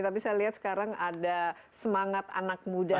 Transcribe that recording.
tapi saya lihat sekarang ada semangat anak muda